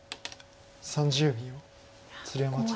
３０秒。